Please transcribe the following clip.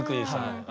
はい。